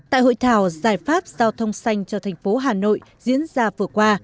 tại hội thảo giải pháp giao thông xanh cho thành phố hà nội diễn ra vừa qua